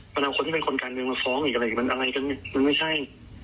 มันเอาคนที่เป็นคนการเมืองมาฟ้องอีกอะไรอีกมันอะไรกันมันไม่ใช่